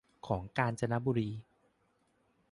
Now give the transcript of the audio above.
ของกาญจนบุรี